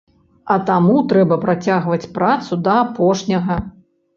А таму трэба працягваць працу да апошняга.